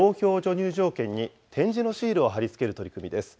入場券に点字のシールを貼り付ける取り組みです。